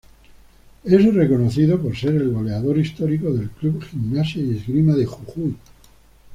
Es reconocido por ser el goleador histórico del club Gimnasia y Esgrima de Jujuy.